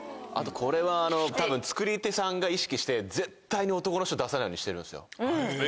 あとこれは多分作り手さんが意識して絶対に男の人出さないようにしてるんですよ。